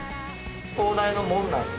東大の門なんです。